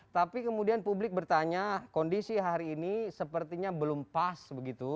tapi kemudian publik bertanya kondisi hari ini sepertinya belum pas begitu